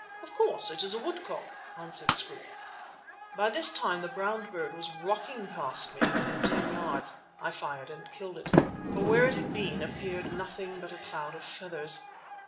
"Of course. It is a woodcock," answered Scroope. By this time the brown bird was rocking past me within ten yards. I fired and killed it, for where it had been appeared nothing but a cloud of feathers.